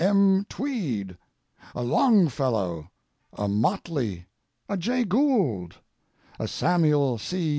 M. Tweed, a Longfellow, a Motley, a Jay Gould, a Samuel C.